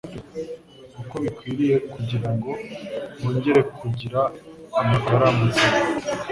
uko bikwiriye, kugira ngo bongere kugira amagara mazima.